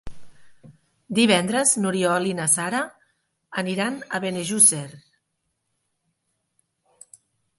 Divendres n'Oriol i na Sara aniran a Benejússer.